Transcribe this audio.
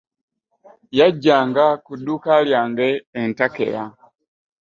Yajjanga ku dduuka lyange entakera.